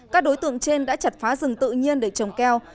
các đối tượng trên đã chặt phá rừng tự nhiên để trồng keo